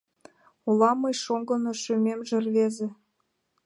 Улам мый шоҥго. Но шӱмемже — рвезе.